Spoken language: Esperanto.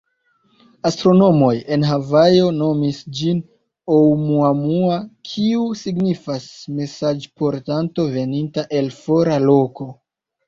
Astronomoj en Havajo nomis ĝin Oumuamua, kio signifas “mesaĝportanto veninta el fora loko”.